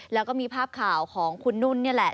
แล้วก็มีภาพข่าวของคุณนุ่นนี่แหละ